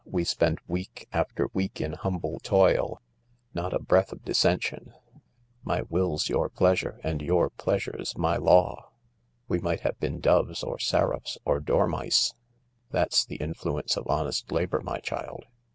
We spend week after week in humble toil — not a breath of dissension ; my will's your pleasure, and your pleasure's my law. We might have been doves or seraphs or dormice. That's the influence of honest labour, my child.